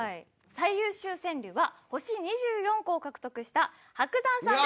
最優秀川柳は星２４個を獲得した伯山さんです。